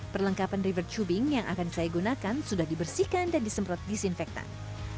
perlengkapan river tubing yang akan saya gunakan sudah dibersihkan dan disemprot disinfektan